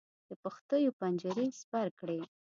د پښتیو پنجرې سپر کړې.